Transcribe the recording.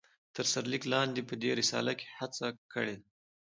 تر سر ليک لاندي په دي رساله کې هڅه کړي ده